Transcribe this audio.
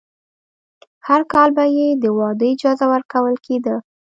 هر کال به یې د واده اجازه ورکول کېده.